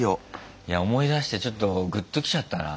いや思い出してちょっとグッときちゃったな。